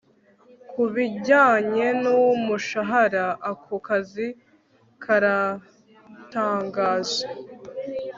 Kubijyanye numushahara ako kazi karatangaje